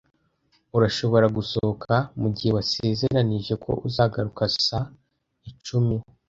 Urashobora gusohoka, mugihe wasezeranije ko uzagaruka saa icumi.